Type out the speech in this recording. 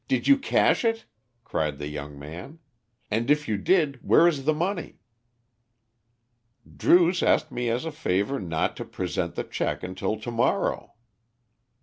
Did you cash it?" cried the young man. "And if you did, where is the money?" "Druce asked me as a favour not to present the cheque until to morrow."